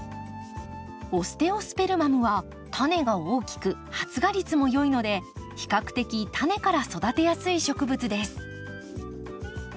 オステオスペルマムはタネが大きく発芽率も良いので比較的タネから育てやすい植物です。